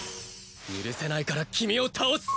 許せないから君を倒す！